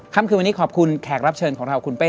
คำคืนวันนี้ขอบคุณแขกรับเชิญของเราคุณเป้